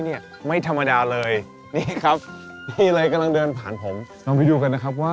เดี๋ยวจะเดินทางกันยังครับ